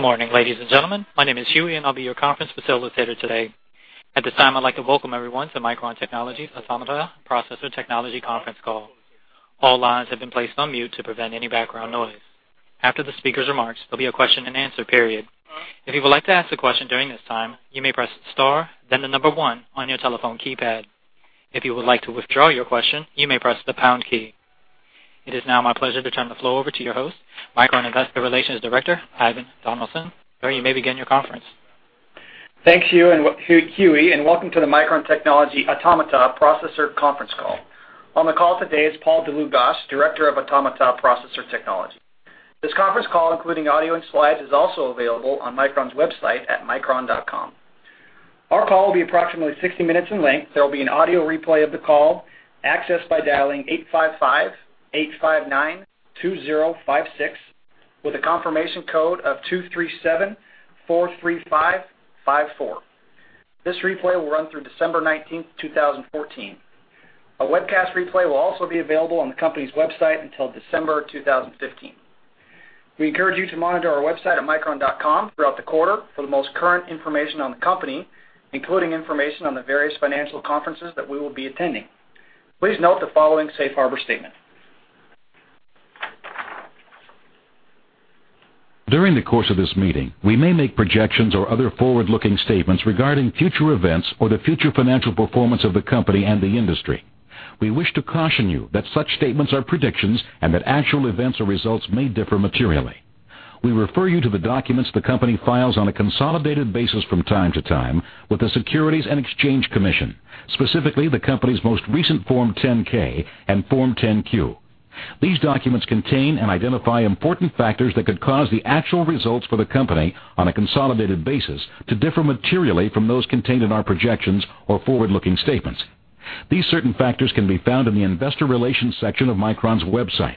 Good morning, ladies and gentlemen. My name is Huey, and I'll be your conference facilitator today. At this time, I'd like to welcome everyone to Micron Technology's Automata Processor Technology Conference Call. All lines have been placed on mute to prevent any background noise. After the speaker's remarks, there'll be a question and answer period. If you would like to ask a question during this time, you may press star, then the number 1 on your telephone keypad. If you would like to withdraw your question, you may press the pound key. It is now my pleasure to turn the floor over to your host, Micron Investor Relations Director, Ivan Donaldson. Sir, you may begin your conference. Thanks, Huey, welcome to the Micron Technology Automata Processor Conference Call. On the call today is Paul Dlugosch, Director of Automata Processor Technology. This conference call, including audio and slides, is also available on Micron's website at micron.com. Our call will be approximately 60 minutes in length. There will be an audio replay of the call, accessed by dialing 855-859-2056 with a confirmation code of 23743554. This replay will run through December 19th, 2014. A webcast replay will also be available on the company's website until December 2015. We encourage you to monitor our website at micron.com throughout the quarter for the most current information on the company, including information on the various financial conferences that we will be attending. Please note the following safe harbor statement. During the course of this meeting, we may make projections or other forward-looking statements regarding future events or the future financial performance of the company and the industry. We wish to caution you that such statements are predictions and that actual events or results may differ materially. We refer you to the documents the company files on a consolidated basis from time to time with the Securities and Exchange Commission, specifically the company's most recent Form 10-K and Form 10-Q. These documents contain and identify important factors that could cause the actual results for the company, on a consolidated basis, to differ materially from those contained in our projections or forward-looking statements. These certain factors can be found in the Investor Relations section of Micron's website.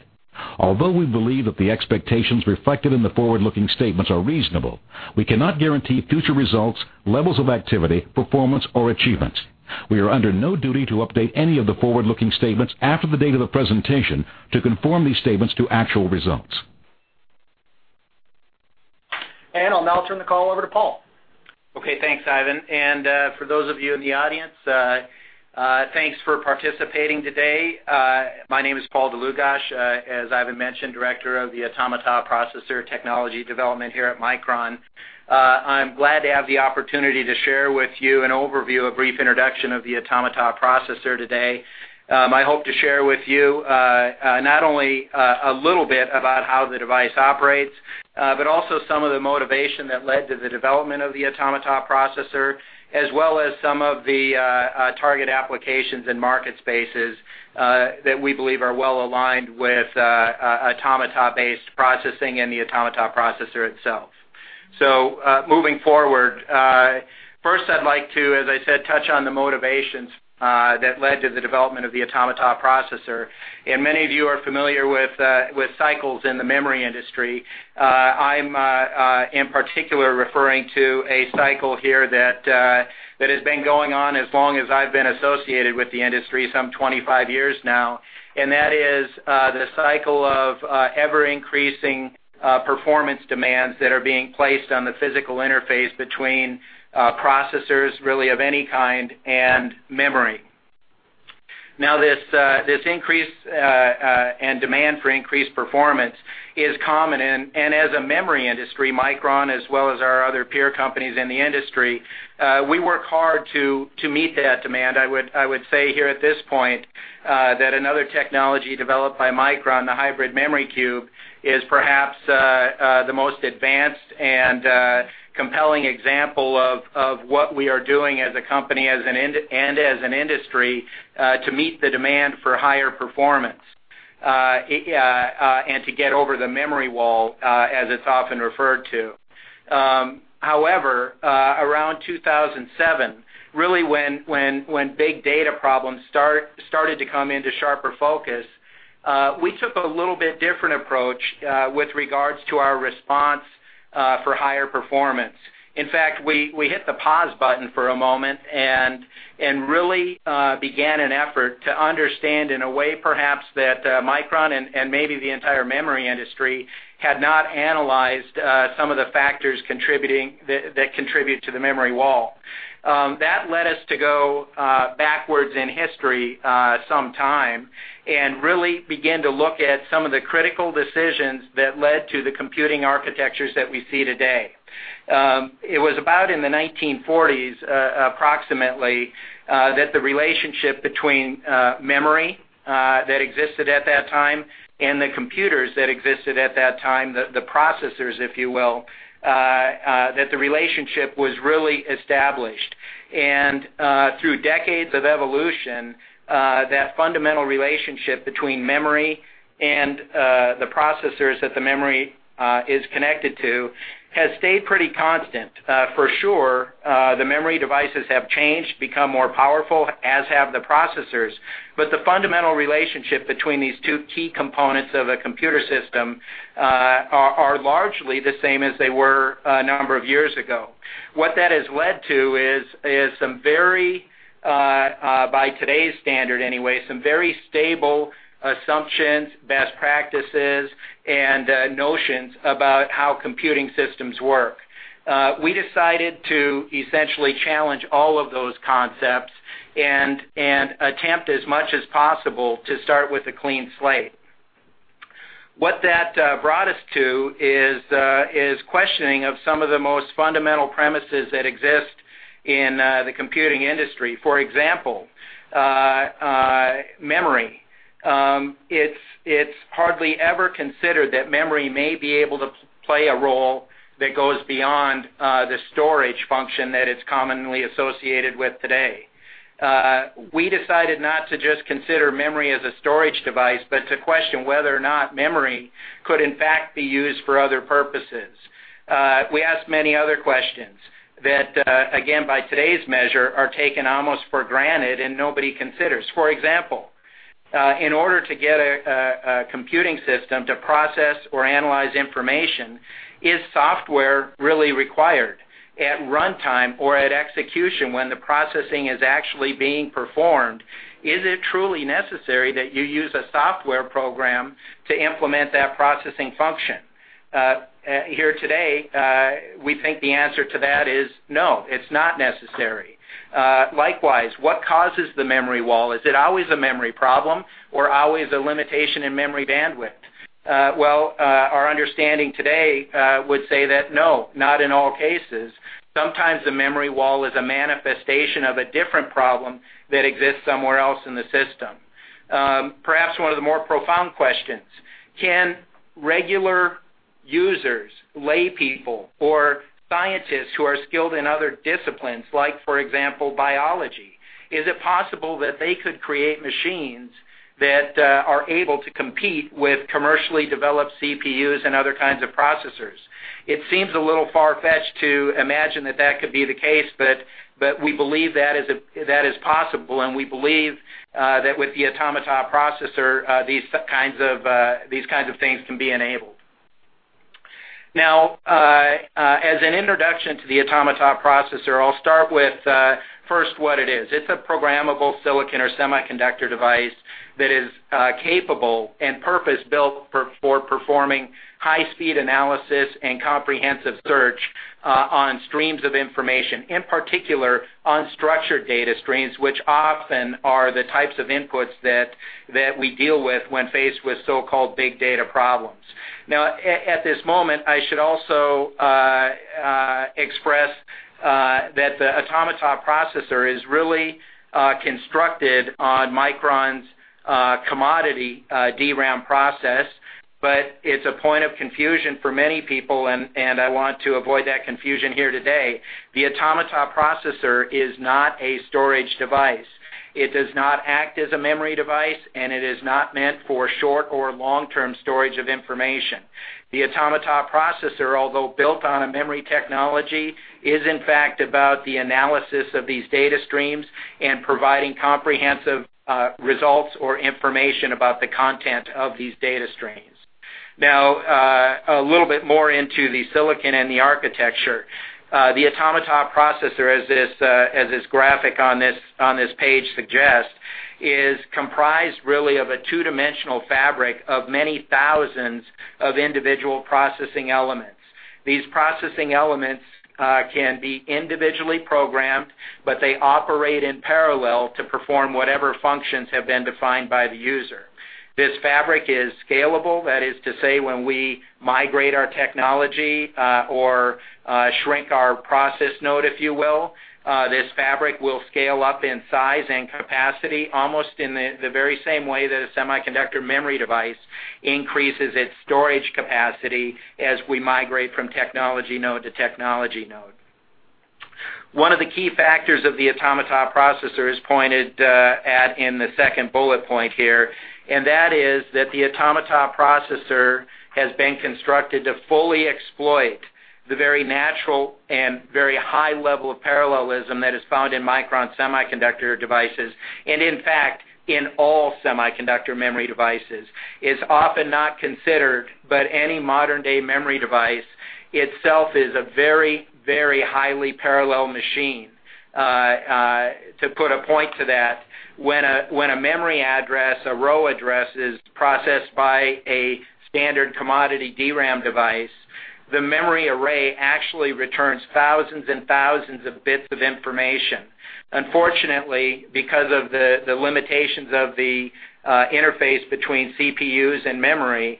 Although we believe that the expectations reflected in the forward-looking statements are reasonable, we cannot guarantee future results, levels of activity, performance, or achievements. We are under no duty to update any of the forward-looking statements after the date of the presentation to conform these statements to actual results. I'll now turn the call over to Paul. Okay, thanks, Ivan, and for those of you in the audience, thanks for participating today. My name is Paul Dlugosch, as Ivan mentioned, Director of the Automata Processor Technology Development here at Micron. I'm glad to have the opportunity to share with you an overview, a brief introduction of the Automata Processor today. I hope to share with you not only a little bit about how the device operates, but also some of the motivation that led to the development of the Automata Processor, as well as some of the target applications and market spaces that we believe are well-aligned with Automata-based processing and the Automata Processor itself. Moving forward, first I'd like to, as I said, touch on the motivations that led to the development of the Automata Processor. Many of you are familiar with cycles in the memory industry. I'm in particular referring to a cycle here that has been going on as long as I've been associated with the industry, some 25 years now, and that is the cycle of ever-increasing performance demands that are being placed on the physical interface between processors, really of any kind, and memory. This increase and demand for increased performance is common, and as a memory industry, Micron as well as our other peer companies in the industry, we work hard to meet that demand. I would say here at this point, that another technology developed by Micron, the Hybrid Memory Cube, is perhaps the most advanced and compelling example of what we are doing as a company and as an industry, to meet the demand for higher performance, and to get over the memory wall, as it's often referred to. However, around 2007, really when big data problems started to come into sharper focus, we took a little bit different approach with regards to our response for higher performance. In fact, we hit the pause button for a moment and really began an effort to understand in a way perhaps that Micron and maybe the entire memory industry had not analyzed some of the factors that contribute to the memory wall. That led us to go backwards in history some time and really begin to look at some of the critical decisions that led to the computing architectures that we see today. It was about in the 1940s, approximately, that the relationship between memory that existed at that time and the computers that existed at that time, the processors, if you will, that the relationship was really established. Through decades of evolution, that fundamental relationship between memory and the processors that the memory is connected to has stayed pretty constant. For sure, the memory devices have changed, become more powerful, as have the processors, but the fundamental relationship between these two key components of a computer system are largely the same as they were a number of years ago. What that has led to is some very, by today's standard anyway, some very stable assumptions, best practices, and notions about how computing systems work. We decided to essentially challenge all of those concepts and attempt as much as possible to start with a clean slate. What that brought us to is questioning of some of the most fundamental premises that exist in the computing industry. For example, memory. It's hardly ever considered that memory may be able to play a role that goes beyond the storage function that it's commonly associated with today. We decided not to just consider memory as a storage device, but to question whether or not memory could in fact be used for other purposes. We asked many other questions that, again, by today's measure, are taken almost for granted and nobody considers. For example, in order to get a computing system to process or analyze information, is software really required at runtime or at execution when the processing is actually being performed? Is it truly necessary that you use a software program to implement that processing function? Here today, we think the answer to that is no, it's not necessary. Likewise, what causes the memory wall? Is it always a memory problem or always a limitation in memory bandwidth? Our understanding today would say that no, not in all cases. Sometimes the memory wall is a manifestation of a different problem that exists somewhere else in the system. Perhaps one of the more profound questions, can regular users, laypeople, or scientists who are skilled in other disciplines like, for example, biology, is it possible that they could create machines that are able to compete with commercially developed CPUs and other kinds of processors? It seems a little far-fetched to imagine that that could be the case, but we believe that is possible, and we believe that with the Automata Processor, these kinds of things can be enabled. As an introduction to the Automata Processor, I'll start with first what it is. It's a programmable silicon or semiconductor device that is capable and purpose-built for performing high-speed analysis and comprehensive search on streams of information, in particular, unstructured data streams, which often are the types of inputs that we deal with when faced with so-called big data problems. At this moment, I should also express that the Automata Processor is really constructed on Micron's commodity DRAM process, but it's a point of confusion for many people, and I want to avoid that confusion here today. The Automata Processor is not a storage device. It does not act as a memory device, and it is not meant for short or long-term storage of information. The Automata Processor, although built on a memory technology, is in fact about the analysis of these data streams and providing comprehensive results or information about the content of these data streams. A little bit more into the silicon and the architecture. The Automata Processor, as this graphic on this page suggests, is comprised really of a two-dimensional fabric of many thousands of individual processing elements. These processing elements can be individually programmed, but they operate in parallel to perform whatever functions have been defined by the user. This fabric is scalable. That is to say, when we migrate our technology or shrink our process node, if you will, this fabric will scale up in size and capacity almost in the very same way that a semiconductor memory device increases its storage capacity as we migrate from technology node to technology node. One of the key factors of the Automata Processor is pointed at in the second bullet point here. That is that the Automata Processor has been constructed to fully exploit the very natural and very high level of parallelism that is found in Micron semiconductor devices, and in fact, in all semiconductor memory devices. It's often not considered. Any modern-day memory device itself is a very, very highly parallel machine. To put a point to that, when a memory address, a row address, is processed by a standard commodity DRAM device, the memory array actually returns thousands and thousands of bits of information. Unfortunately, because of the limitations of the interface between CPUs and memory,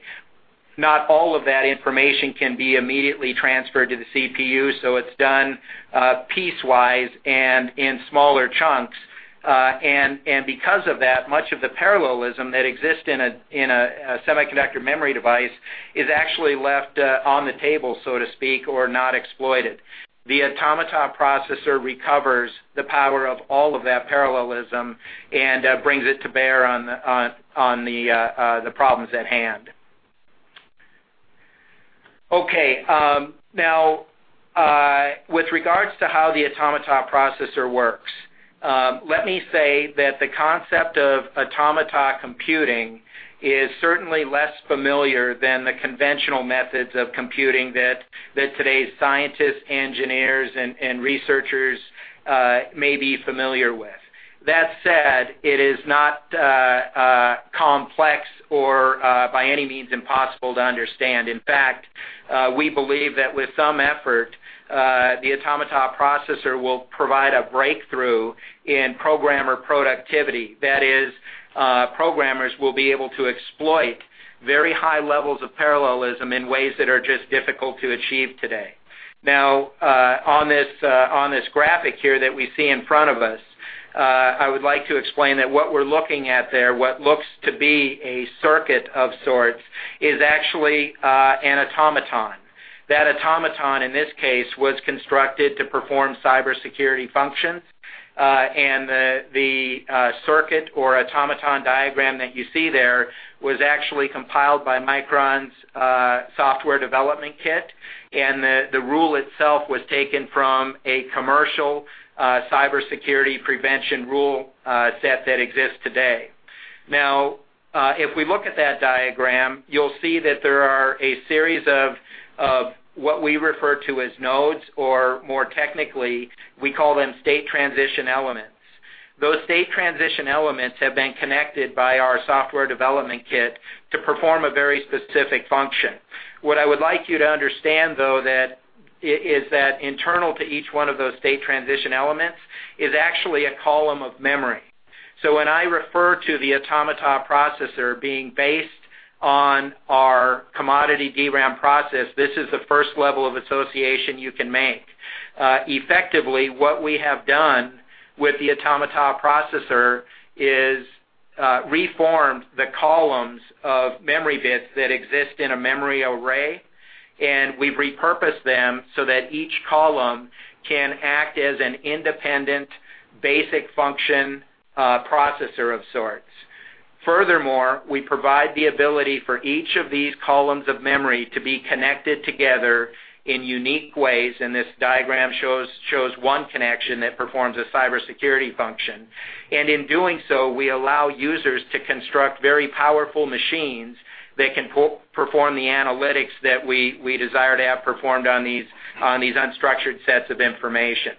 not all of that information can be immediately transferred to the CPU. It's done piecewise and in smaller chunks. Because of that, much of the parallelism that exists in a semiconductor memory device is actually left on the table, so to speak, or not exploited. The Automata Processor recovers the power of all of that parallelism and brings it to bear on the problems at hand. With regards to how the Automata Processor works, let me say that the concept of automata computing is certainly less familiar than the conventional methods of computing that today's scientists, engineers, and researchers may be familiar with. That said, it is not complex or by any means impossible to understand. In fact, we believe that with some effort, the Automata Processor will provide a breakthrough in programmer productivity. That is, programmers will be able to exploit very high levels of parallelism in ways that are just difficult to achieve today. On this graphic here that we see in front of us, I would like to explain that what we're looking at there, what looks to be a circuit of sorts, is actually an automaton. That automaton, in this case, was constructed to perform cybersecurity functions. The circuit or automaton diagram that you see there was actually compiled by Micron's software development kit, and the rule itself was taken from a commercial cybersecurity prevention rule set that exists today. If we look at that diagram, you'll see that there are a series of what we refer to as nodes, or more technically, we call them State Transition Element. Those State Transition Element have been connected by our software development kit to perform a very specific function. What I would like you to understand, though, is that internal to each one of those State Transition Element is actually a column of memory. When I refer to the Automata Processor being based on our commodity DRAM process, this is the first level of association you can make. Effectively, what we have done with the Automata Processor is reformed the columns of memory bits that exist in a memory array, and we've repurposed them so that each column can act as an independent basic function processor of sorts. Furthermore, we provide the ability for each of these columns of memory to be connected together in unique ways, and this diagram shows one connection that performs a cybersecurity function. In doing so, we allow users to construct very powerful machines that can perform the analytics that we desire to have performed on these unstructured sets of information.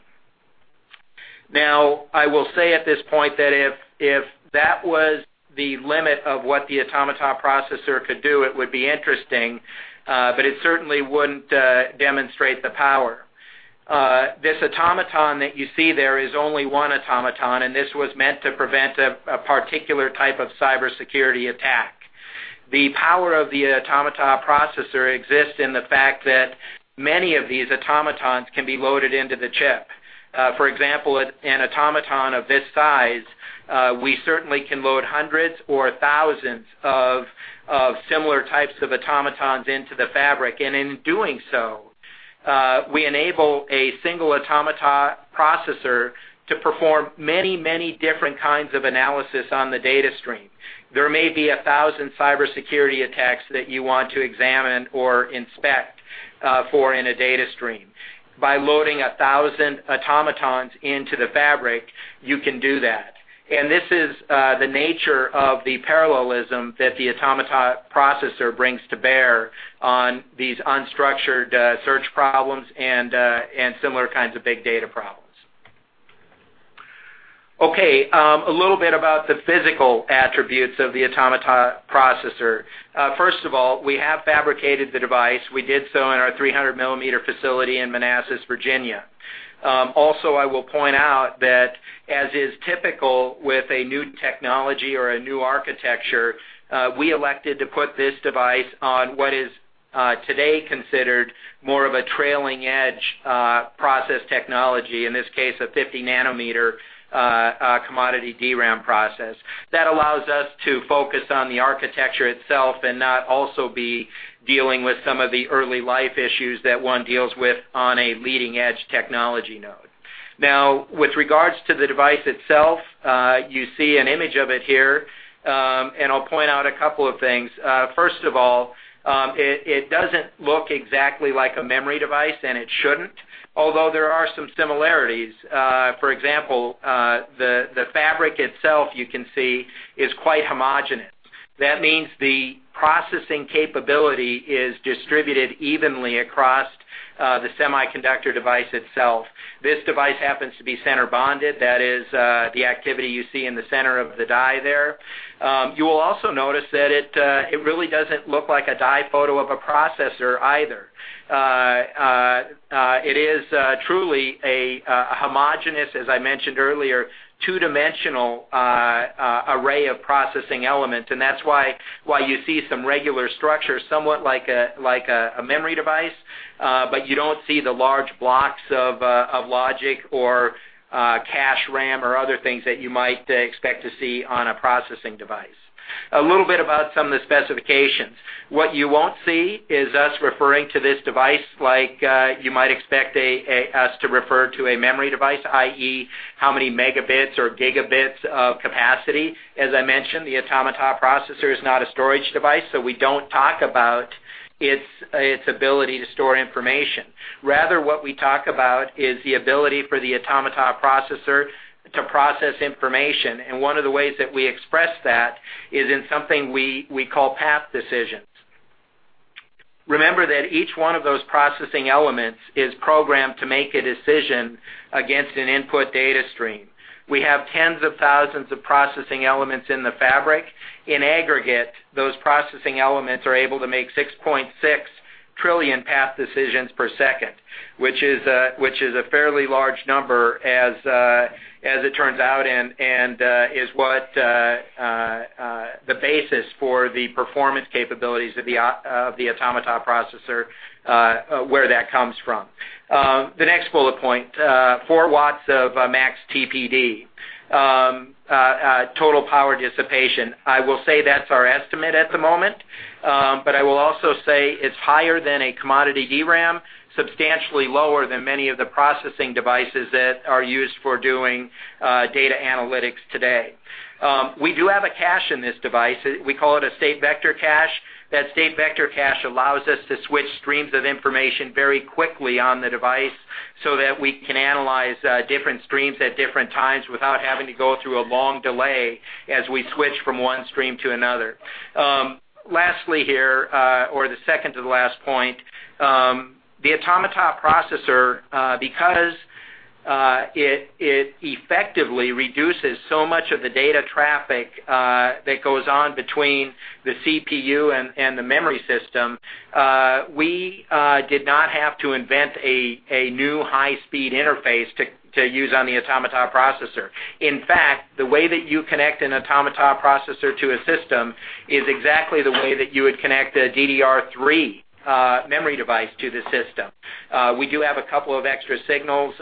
I will say at this point that if that was the limit of what the Automata Processor could do, it would be interesting, but it certainly wouldn't demonstrate the power. This automaton that you see there is only one automaton, and this was meant to prevent a particular type of cybersecurity attack. The power of the Automata Processor exists in the fact that many of these automatons can be loaded into the chip. For example, an automaton of this size, we certainly can load hundreds or thousands of similar types of automatons into the fabric. In doing so, we enable a single Automata Processor to perform many different kinds of analysis on the data stream. There may be a thousand cybersecurity attacks that you want to examine or inspect for in a data stream. By loading 1,000 automatons into the fabric, you can do that. This is the nature of the parallelism that the Automata Processor brings to bear on these unstructured search problems and similar kinds of big data problems. Okay. A little bit about the physical attributes of the Automata Processor. First of all, we have fabricated the device. We did so in our 300-millimeter facility in Manassas, Virginia. Also, I will point out that as is typical with a new technology or a new architecture, we elected to put this device on what is today considered more of a trailing edge process technology, in this case, a 50-nanometer commodity DRAM process. That allows us to focus on the architecture itself and not also be dealing with some of the early life issues that one deals with on a leading-edge technology node. With regards to the device itself, you see an image of it here, and I'll point out a couple of things. First of all, it doesn't look exactly like a memory device, and it shouldn't, although there are some similarities. For example, the fabric itself, you can see, is quite homogenous. That means the processing capability is distributed evenly across the semiconductor device itself. This device happens to be center bonded. That is the activity you see in the center of the die there. You will also notice that it really doesn't look like a die photo of a processor either. It is truly a homogeneous, as I mentioned earlier, two-dimensional array of processing elements, and that's why you see some regular structures, somewhat like a memory device, but you don't see the large blocks of logic or cache RAM or other things that you might expect to see on a processing device. A little bit about some of the specifications. What you won't see is us referring to this device like you might expect us to refer to a memory device, i.e., how many megabits or gigabits of capacity. As I mentioned, the Automata Processor is not a storage device, so we don't talk about its ability to store information. Rather, what we talk about is the ability for the Automata Processor to process information, and one of the ways that we express that is in something we call decision-to-decision path. Remember that each one of those processing elements is programmed to make a decision against an input data stream. We have tens of thousands of processing elements in the fabric. In aggregate, those processing elements are able to make 6.6 trillion decision-to-decision path per second, which is a fairly large number, as it turns out, and is what the basis for the performance capabilities of the Automata Processor, where that comes from. The next bullet point, 4 watts of max TPD, total power dissipation. I will say that's our estimate at the moment. I will also say it's higher than a commodity DRAM, substantially lower than many of the processing devices that are used for doing data analytics today. We do have a cache in this device. We call it a state vector cache. That state vector cache allows us to switch streams of information very quickly on the device so that we can analyze different streams at different times without having to go through a long delay as we switch from one stream to another. Lastly here, or the second to the last point, the Automata Processor because it effectively reduces so much of the data traffic that goes on between the CPU and the memory system, we did not have to invent a new high-speed interface to use on the Automata Processor. In fact, the way that you connect an Automata Processor to a system is exactly the way that you would connect a DDR3 memory device to the system. We do have a couple of extra signals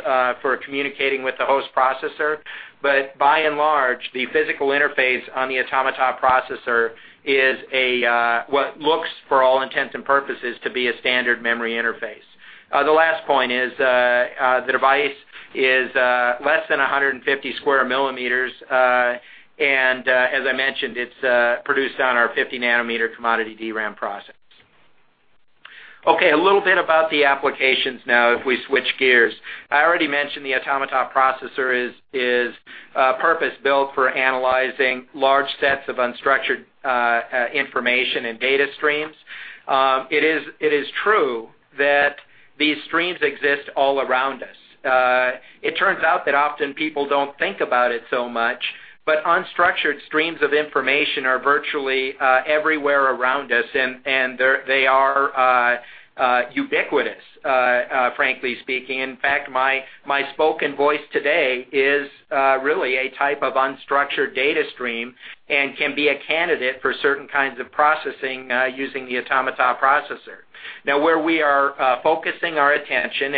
for communicating with the host processor. By and large, the physical interface on the Automata Processor is what looks, for all intents and purposes, to be a standard memory interface. The last point is the device is less than 150 square millimeters. As I mentioned, it's produced on our 50-nanometer commodity DRAM process. Okay, a little bit about the applications now, if we switch gears. I already mentioned the Automata Processor is purpose-built for analyzing large sets of unstructured information and data streams. It is true that these streams exist all around us. It turns out that often people don't think about it so much, but unstructured streams of information are virtually everywhere around us, and they are ubiquitous, frankly speaking. In fact, my spoken voice today is really a type of unstructured data stream and can be a candidate for certain kinds of processing using the Automata Processor. Where we are focusing our attention,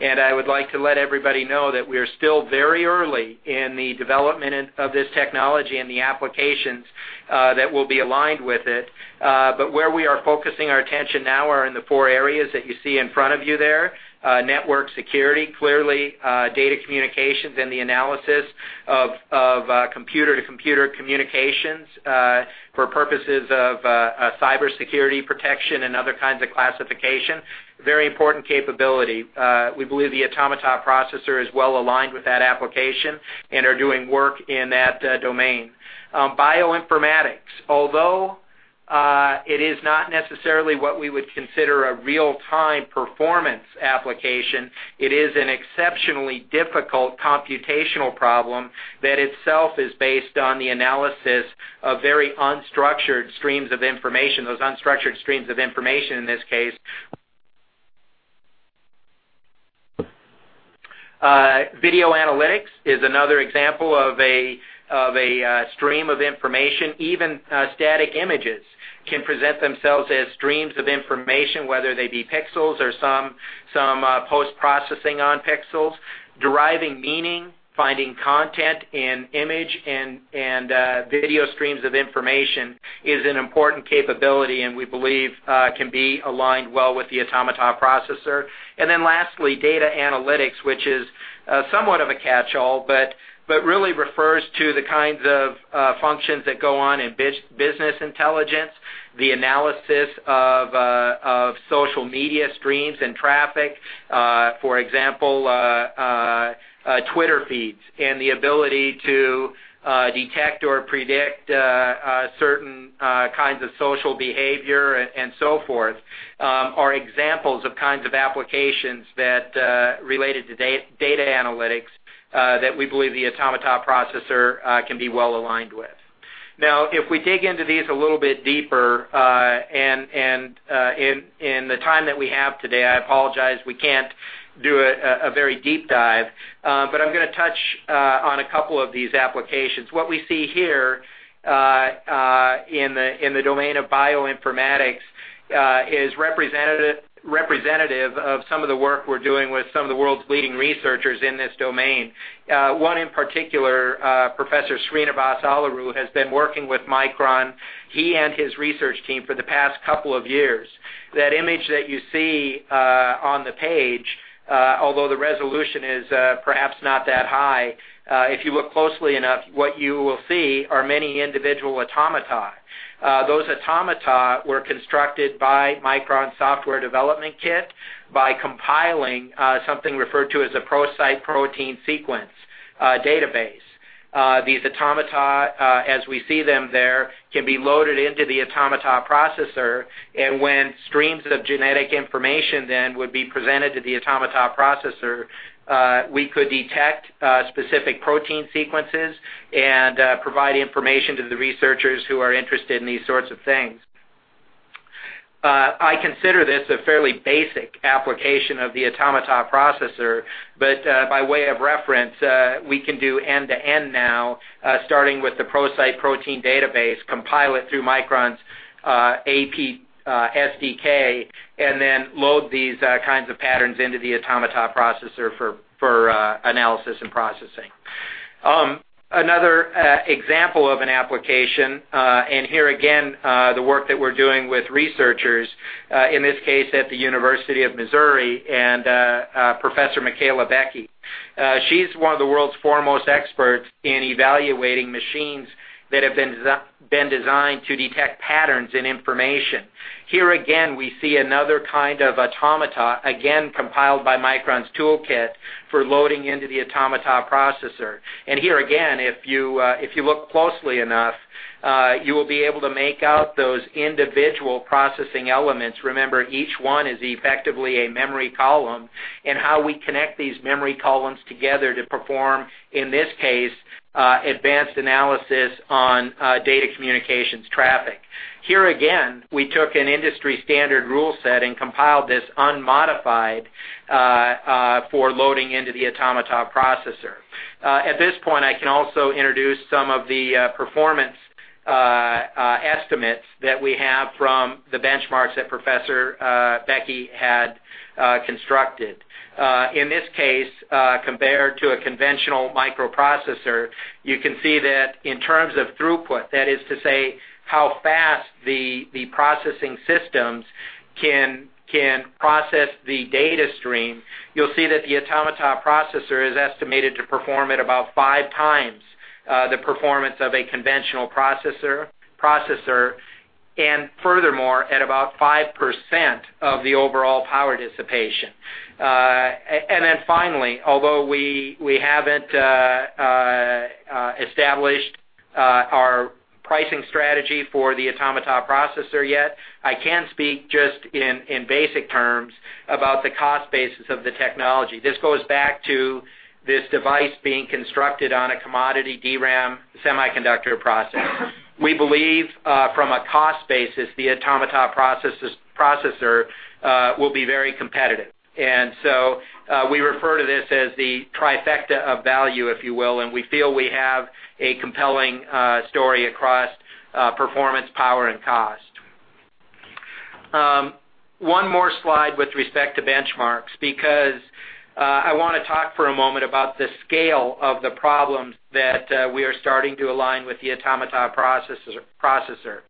and I would like to let everybody know that we are still very early in the development of this technology and the applications that will be aligned with it, but where we are focusing our attention now are in the four areas that you see in front of you there. Network security, clearly, data communications and the analysis of computer-to-computer communications for purposes of cybersecurity protection and other kinds of classification, very important capability. We believe the Automata Processor is well aligned with that application and are doing work in that domain. Bioinformatics, although it is not necessarily what we would consider a real-time performance application, it is an exceptionally difficult computational problem that itself is based on the analysis of very unstructured streams of information. Those unstructured streams of information, in this case. Video analytics is another example of a stream of information. Even static images can present themselves as streams of information, whether they be pixels or some post-processing on pixels. Deriving meaning, finding content in image and video streams of information is an important capability, and we believe can be aligned well with the Automata Processor. Lastly, data analytics, which is somewhat of a catch-all, but really refers to the kinds of functions that go on in business intelligence, the analysis of social media streams and traffic. For example, Twitter feeds and the ability to detect or predict certain kinds of social behavior and so forth are examples of kinds of applications related to data analytics that we believe the Automata Processor can be well aligned with. If we dig into these a little bit deeper, and in the time that we have today, I apologize, we can't do a very deep dive, but I'm going to touch on a couple of these applications. What we see here in the domain of bioinformatics is representative of some of the work we're doing with some of the world's leading researchers in this domain. One in particular, Professor Srinivas Aluru, has been working with Micron, he and his research team, for the past couple of years. That image that you see on the page, although the resolution is perhaps not that high, if you look closely enough, what you will see are many individual automata. Those automata were constructed by Micron software development kit by compiling something referred to as a PROSITE protein sequence database. These automata, as we see them there, can be loaded into the Automata Processor, when streams of genetic information then would be presented to the Automata Processor, we could detect specific protein sequences and provide information to the researchers who are interested in these sorts of things. I consider this a fairly basic application of the Automata Processor, but by way of reference, we can do end-to-end now, starting with the PROSITE protein database, compile it through Micron's AP SDK, then load these kinds of patterns into the Automata Processor for analysis and processing. Another example of an application, here again, the work that we're doing with researchers, in this case, at the University of Missouri, and Professor Michela Becchi. She's one of the world's foremost experts in evaluating machines that have been designed to detect patterns and information. Here again, we see another kind of automata, again, compiled by Micron's toolkit for loading into the Automata Processor. Here again, if you look closely enough, you will be able to make out those individual processing elements. Remember, each one is effectively a memory column, and how we connect these memory columns together to perform, in this case, advanced analysis on data communications traffic. Here again, we took an industry-standard rule set and compiled this unmodified for loading into the Automata Processor. At this point, I can also introduce some of the performance estimates that we have from the benchmarks that Professor Becchi had constructed. In this case, compared to a conventional microprocessor, you can see that in terms of throughput, that is to say, how fast the processing systems can process the data stream, you'll see that the Automata Processor is estimated to perform at about five times the performance of a conventional processor, furthermore, at about 5% of the overall power dissipation. Finally, although we haven't established our pricing strategy for the Automata Processor yet, I can speak just in basic terms about the cost basis of the technology. This goes back to this device being constructed on a commodity DRAM semiconductor process. We believe from a cost basis, the Automata Processor will be very competitive. We refer to this as the trifecta of value, if you will, and we feel we have a compelling story across performance, power, and cost. One more slide with respect to benchmarks, because I want to talk for a moment about the scale of the problems that we are starting to align with the Automata Processor.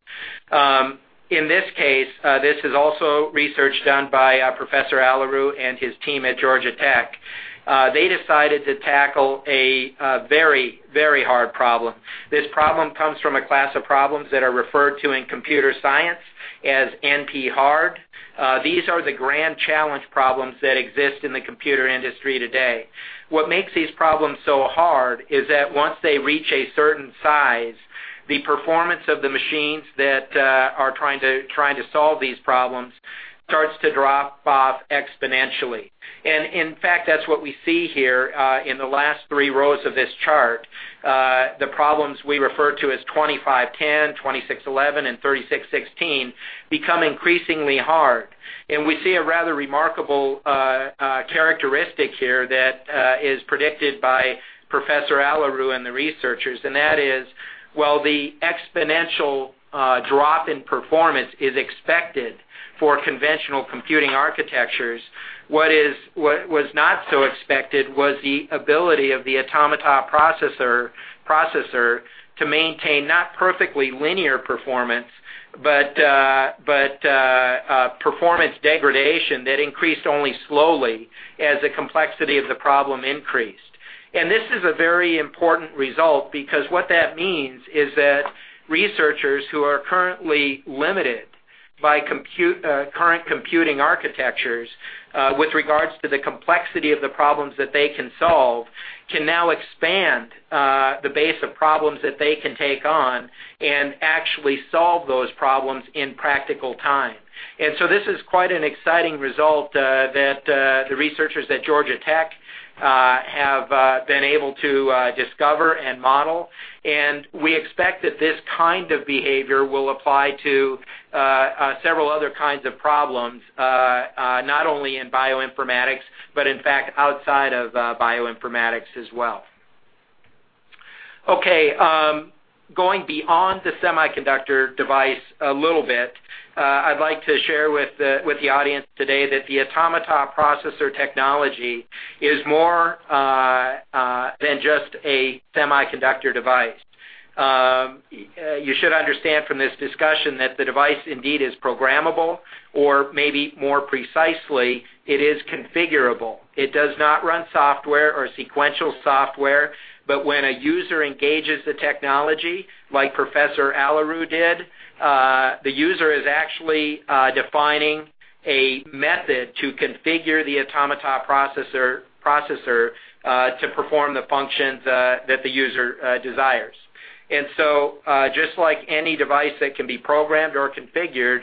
In this case, this is also research done by Professor Aluru and his team at Georgia Tech. They decided to tackle a very hard problem. This problem comes from a class of problems that are referred to in computer science as NP-hard. These are the grand challenge problems that exist in the computer industry today. What makes these problems so hard is that once they reach a certain size, the performance of the machines that are trying to solve these problems starts to drop off exponentially. In fact, that's what we see here in the last three rows of this chart. The problems we refer to as 2510, 2611, and 3616 become increasingly hard. We see a rather remarkable characteristic here that is predicted by Professor Aluru and the researchers, and that is, while the exponential drop in performance is expected for conventional computing architectures, what was not so expected was the ability of the Automata Processor to maintain not perfectly linear performance, but performance degradation that increased only slowly as the complexity of the problem increased. This is a very important result because what that means is that researchers who are currently limited by current computing architectures with regards to the complexity of the problems that they can solve, can now expand the base of problems that they can take on and actually solve those problems in practical time. This is quite an exciting result that the researchers at Georgia Tech have been able to discover and model. We expect that this kind of behavior will apply to several other kinds of problems, not only in bioinformatics, but in fact, outside of bioinformatics as well. Okay. Going beyond the semiconductor device a little bit, I'd like to share with the audience today that the Automata Processor technology is more than just a semiconductor device. You should understand from this discussion that the device indeed is programmable, or maybe more precisely, it is configurable. It does not run software or sequential software, but when a user engages the technology, like Professor Aluru did, the user is actually defining a method to configure the Automata Processor to perform the functions that the user desires. Just like any device that can be programmed or configured,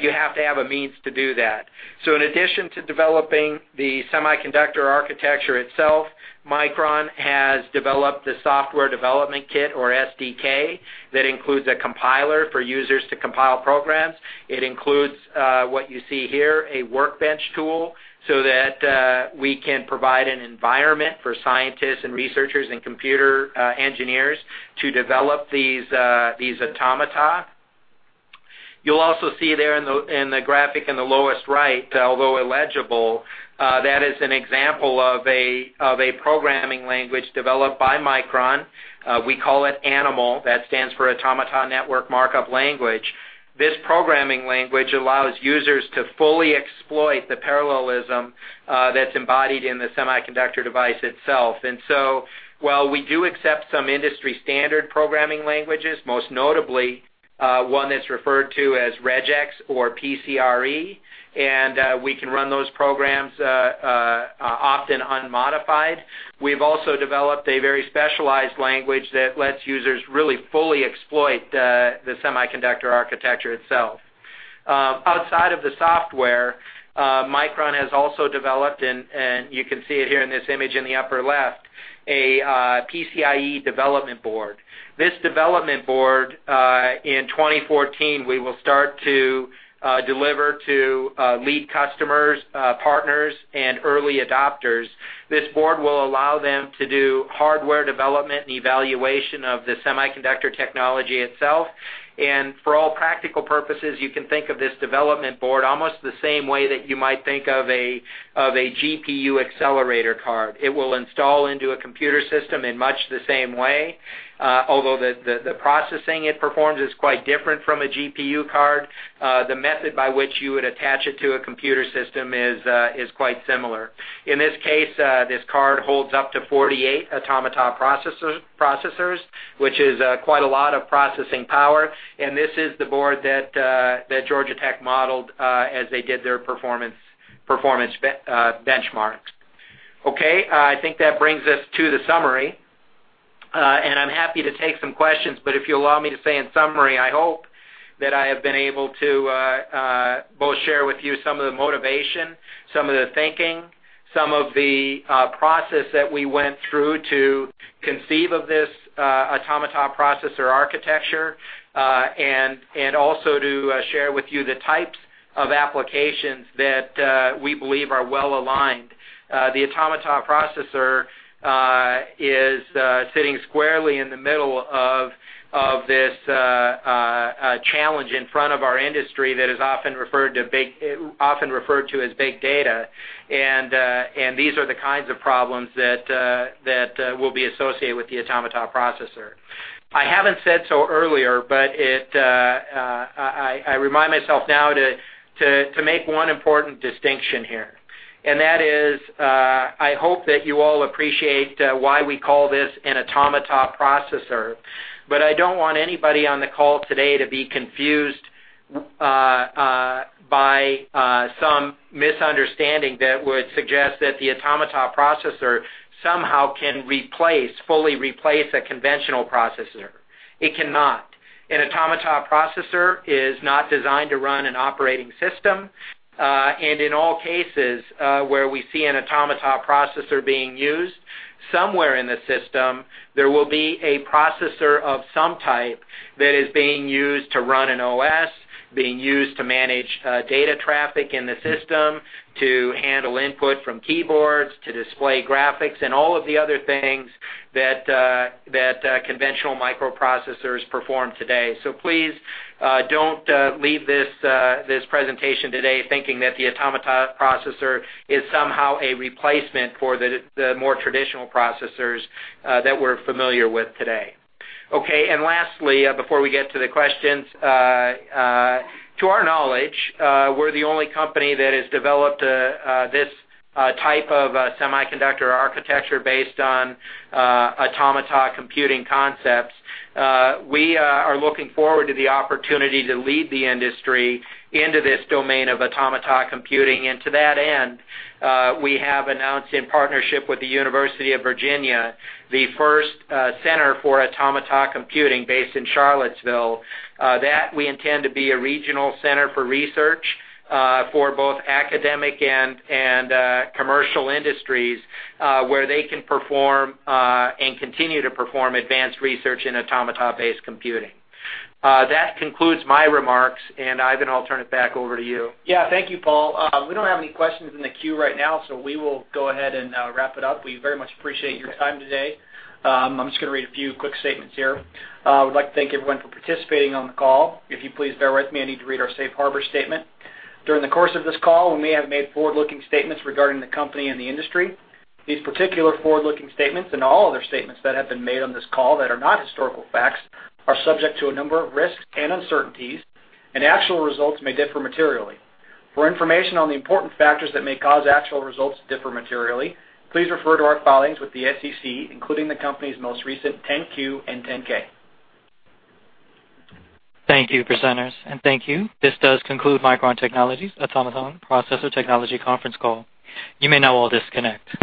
you have to have a means to do that. In addition to developing the semiconductor architecture itself, Micron has developed a software development kit, or SDK, that includes a compiler for users to compile programs. It includes what you see here, a workbench tool, so that we can provide an environment for scientists and researchers and computer engineers to develop these automata. You'll also see there in the graphic in the lowest right, although illegible, that is an example of a programming language developed by Micron. We call it ANML, that stands for Automata Network Markup Language. This programming language allows users to fully exploit the parallelism that's embodied in the semiconductor device itself. While we do accept some industry-standard programming languages, most notably one that's referred to as Regex or PCRE, and we can run those programs often unmodified, we've also developed a very specialized language that lets users really fully exploit the semiconductor architecture itself. Outside of the software, Micron has also developed, and you can see it here in this image in the upper left, a PCIe development board. This development board, in 2014, we will start to deliver to lead customers, partners, and early adopters. This board will allow them to do hardware development and evaluation of the semiconductor technology itself. For all practical purposes, you can think of this development board almost the same way that you might think of a GPU accelerator card. It will install into a computer system in much the same way, although the processing it performs is quite different from a GPU card. The method by which you would attach it to a computer system is quite similar. In this case, this card holds up to 48 Automata Processors, which is quite a lot of processing power, and this is the board that Georgia Tech modeled as they did their performance benchmarks. Okay. I think that brings us to the summary. I'm happy to take some questions, but if you allow me to say in summary, I hope that I have been able to both share with you some of the motivation, some of the thinking, some of the process that we went through to conceive of this Automata Processor architecture, and also to share with you the types of applications that we believe are well-aligned. The Automata Processor is sitting squarely in the middle of this challenge in front of our industry that is often referred to as big data, and these are the kinds of problems that will be associated with the Automata Processor. I haven't said so earlier, but I remind myself now to make one important distinction here, and that is, I hope that you all appreciate why we call this an Automata Processor. I don't want anybody on the call today to be confused by some misunderstanding that would suggest that the Automata Processor somehow can fully replace a conventional processor. It cannot. An Automata Processor is not designed to run an operating system, and in all cases where we see an Automata Processor being used, somewhere in the system, there will be a processor of some type that is being used to run an OS, being used to manage data traffic in the system, to handle input from keyboards, to display graphics, and all of the other things that conventional microprocessors perform today. Please don't leave this presentation today thinking that the Automata Processor is somehow a replacement for the more traditional processors that we're familiar with today. Okay. Lastly, before we get to the questions, to our knowledge, we're the only company that has developed this type of semiconductor architecture based on automata computing concepts. We are looking forward to the opportunity to lead the industry into this domain of automata computing, and to that end, we have announced in partnership with the University of Virginia, the first Center for Automata Computing based in Charlottesville. That we intend to be a regional center for research for both academic and commercial industries, where they can perform and continue to perform advanced research in automata-based computing. That concludes my remarks. Ivan, I'll turn it back over to you. Yeah. Thank you, Paul. We don't have any questions in the queue right now. We will go ahead and wrap it up. We very much appreciate your time today. I'm just going to read a few quick statements here. I would like to thank everyone for participating on the call. If you please bear with me, I need to read our safe harbor statement. During the course of this call, we may have made forward-looking statements regarding the company and the industry. These particular forward-looking statements, all other statements that have been made on this call that are not historical facts, are subject to a number of risks and uncertainties, and actual results may differ materially. For information on the important factors that may cause actual results to differ materially, please refer to our filings with the SEC, including the company's most recent 10-Q and 10-K. Thank you, presenters, and thank you. This does conclude Micron Technology's Automata Processor Technology conference call. You may now all disconnect.